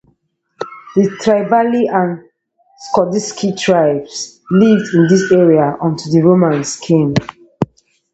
The Triballi and Scordisci tribes lived in this area until the Romans came.